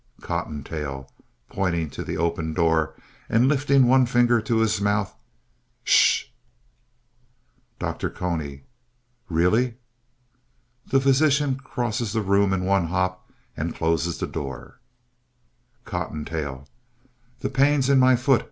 COTTONTAIL (pointing to the open door, and lifting one finger to his mouth) Shush! DR. CONY Really! (The physician crosses the room in one hop and closes the door.) COTTONTAIL The pain's in my foot.